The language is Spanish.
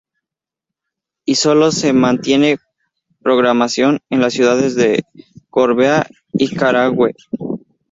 Y solo se mantiene programación en las ciudades de Gorbea y Carahue.